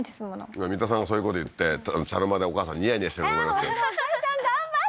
今三田さんがそういうこと言って茶の間でお母さんニヤニヤしてると思いますよお母さん頑張って！